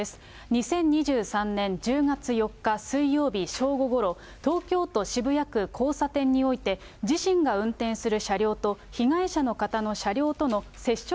２０２３年１０月４日水曜日正午ごろ、東京都渋谷区交差点において、自身が運転する車両と被害者の方の車両との接触